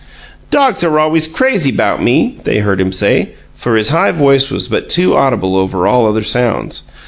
"Dogs are always crazy 'bout me," they heard him say, for his high voice was but too audible over all other sounds.